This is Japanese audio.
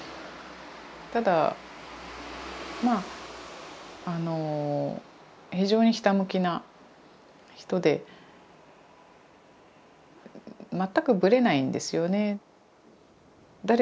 ただまああの非常にひたむきな人で全くブレないんですよね。